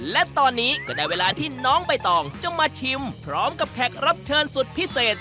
และตอนนี้ก็ได้เวลาที่น้องใบตองจะมาชิมพร้อมกับแขกรับเชิญสุดพิเศษ